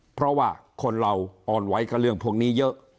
เพราะว่าคนเราอ่อนไหวกับเรื่องพวกนี้เยอะ